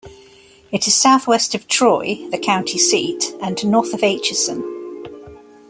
It is southwest of Troy, the county seat, and north of Atchison.